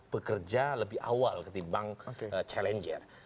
bekerja lebih awal ketimbang challenger